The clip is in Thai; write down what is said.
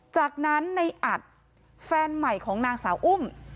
จากนั้นในอัดแฟนใหม่ของนางสาวอุ้ม